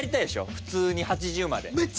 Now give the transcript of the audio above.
普通に８０まで。